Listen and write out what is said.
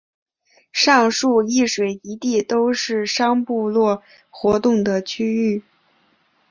上述一水一地都是商部落活动的区域。